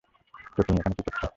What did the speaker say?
তো তুমি এখানে কী করছ?